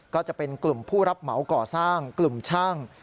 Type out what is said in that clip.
ก็จะเป็นกลุ่มผู้รับเหมาก่อสร้างกลุ่มช่าง